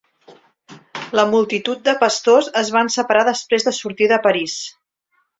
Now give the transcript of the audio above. La multitud de pastors es van separar després de sortir de París.